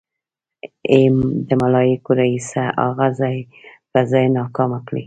ای د ملايکو ريسه اغه ځای په ځای ناکامه کړې.